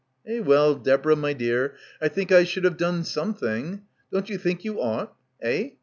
"Eh, well, Deborah my dear, I think I should have done something. Don't you think you ought? Eh?